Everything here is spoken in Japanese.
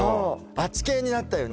あっち系になったよね